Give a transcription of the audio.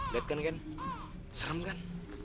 lihat kan kan serem kan